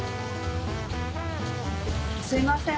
すいません